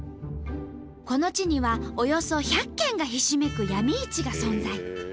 この地にはおよそ１００軒がひしめく闇市が存在。